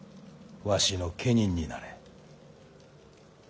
わしの家人になれ。